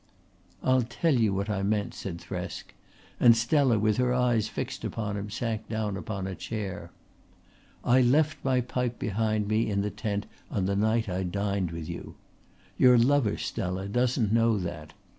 "I'll tell you what I meant," said Thresk, and Stella with her eyes fixed upon him sank down upon a chair. "I left my pipe behind me in the tent on the night I dined with you. Your lover, Stella, doesn't know that.